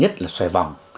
nhất là xòe vòng